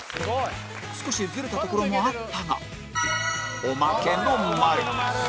少しズレたところもあったがおまけの○